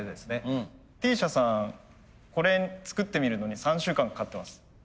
Ｔ社さんこれ作ってみるのに３週間かかってます。